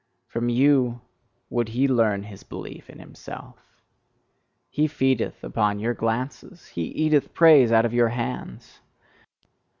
From you would he learn his belief in himself; he feedeth upon your glances, he eateth praise out of your hands.